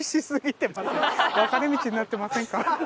「分かれ道になってませんか？」。